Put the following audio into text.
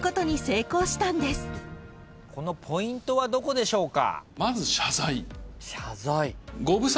このポイントはどこでしょうか？